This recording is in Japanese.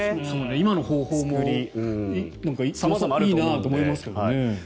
今の方法もいいなと思いますけどね。